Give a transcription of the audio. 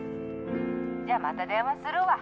「じゃあまた電話するわ」